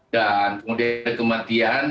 dan kemudian ada kematian